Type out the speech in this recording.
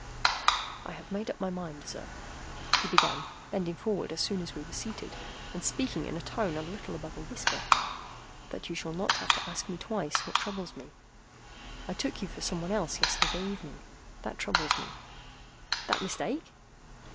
"I have made up my mind, sir," he began, bending forward as soon as we were seated, and speaking in a tone but a little above a whisper, "that you shall not have to ask me twice what troubles me. I took you for some one else yesterday evening. That troubles me." "That mistake?"